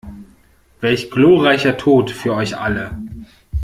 Welch glorreicher Tod für euch alle!